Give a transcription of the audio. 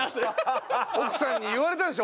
奥さんに言われたんでしょ。